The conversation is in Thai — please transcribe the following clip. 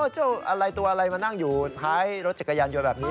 เจ้าอะไรตัวอะไรมานั่งอยู่ท้ายรถจักรยานยนต์แบบนี้